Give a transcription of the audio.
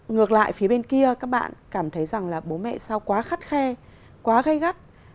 ngược lại phía bên kia các bạn cảm thấy rằng là bố mẹ sau quá khắt khe quá gây gắt